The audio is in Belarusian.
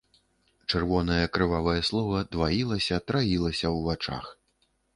Чырвонае крывавае слова дваілася, траілася ў вачах.